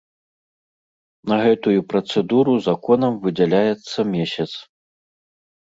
На гэтую працэдуру законам выдзяляецца месяц.